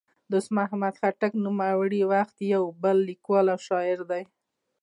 دوست محمد خټک د نوموړي وخت یو بل لیکوال او شاعر دی.